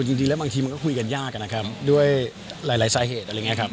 จริงแล้วบางทีมันก็คุยกันยากนะครับด้วยหลายสาเหตุอะไรอย่างนี้ครับ